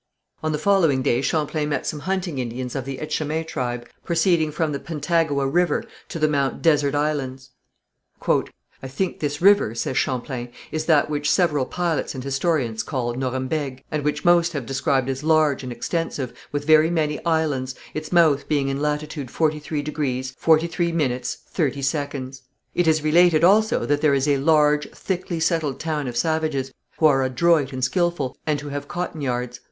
On the following day Champlain met some hunting Indians of the Etchemin tribe, proceeding from the Pentagouet River to the Mount Desert Islands. "I think this river," says Champlain, "is that which several pilots and historians call Norembègue, and which most have described as large and extensive, with very many islands, its mouth being in latitude 43°, 43', 30''.... It is related also that there is a large, thickly settled town of savages, who are adroit and skilful, and who have cotton yards.